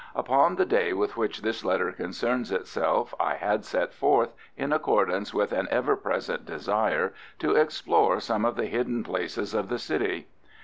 Upon the day with which this letter concerns itself I had set forth, in accordance with an ever present desire, to explore some of the hidden places of the city.